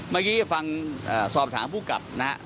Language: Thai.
เมื่อกี้ฟังสอบถามผู้กลับนะฮะ